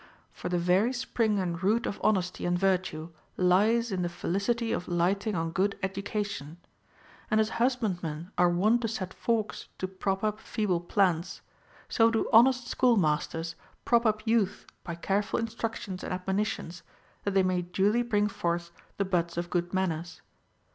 For the very spring and root of honesty and virtue lies in the felicity of liiihtinii on aood education, iind as husbandmen are wont to set forks to prop up feeble plants, so do honest school masters prop up youth by careful instructions and admoni tions, that they may duly bring forth the buds of good manners.